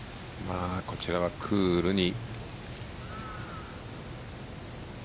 こちらはクールに。